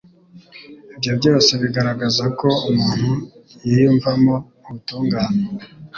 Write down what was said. ibyo byose bigaragaza ko umuntu yiyumvamo ubutungane,